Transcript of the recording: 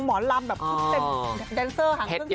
หมอลำแบบเต็มแดนเซอร์หางซึ่งเท็กตี้